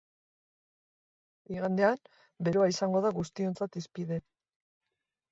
Igandean beroa izango da guztiontzat hizpide.